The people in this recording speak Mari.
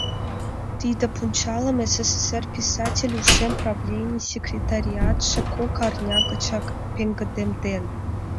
Тиде пунчалым СССР писатель ушем правленийын секретариатше кок арня гычак пеҥгыдемден.